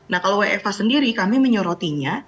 nah kalau wfh sendiri kami menyorotinya